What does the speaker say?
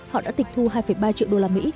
họ đã tịch thu hai ba triệu đô la mỹ